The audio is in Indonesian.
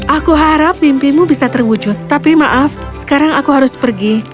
aku harap mimpimu bisa terwujud tapi maaf sekarang aku harus pergi